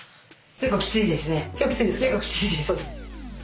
結構きついです。